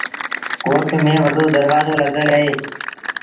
ڪوٽ ميݩ وڏو دروآزو لڳل اهي۔